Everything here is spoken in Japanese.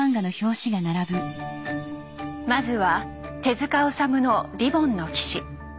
まずは手治虫の「リボンの騎士」。